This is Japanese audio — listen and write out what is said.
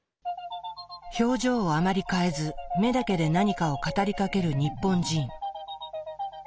表情をあまり変えず目だけで何かを語りかける日本人。